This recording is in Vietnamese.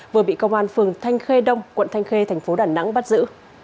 vừa bị công an phường thanh khê đông quận thanh khê tp đà nẵng bắt giữ